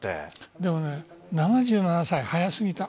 でも７７歳は早すぎた。